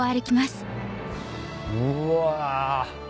うわ。